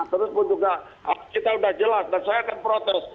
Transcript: terus pun juga kita sudah jelas dan saya akan protes